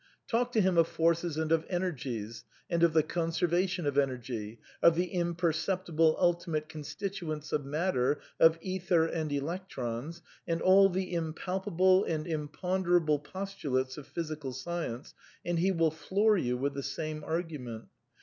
Talk to him of forces and of energies, and of the conserva tion of energy, of the imperceptible ultimate constituents of matter, of ether and electrons, and all the impalpable and imponderable postulates of physical science, and he will floor you with the same argument.